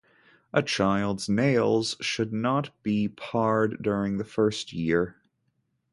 A child's nails should not be pared during the first year.